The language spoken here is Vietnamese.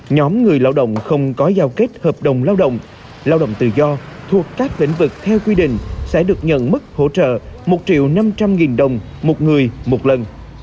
nhóm người lao động không có giao kết hợp đồng lao động lao động tự do thuộc các lĩnh vực theo quy định sẽ được nhận mức hỗ trợ một triệu năm trăm linh nghìn đồng một người một lần